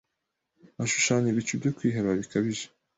Ashushanya ibicu byo kwiheba bikabije